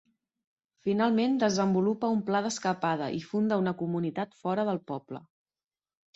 Finalment, desenvolupa un pla d'escapada i funda una comunitat fora del poble.